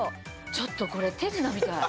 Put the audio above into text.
ちょっとこれ手品みたい。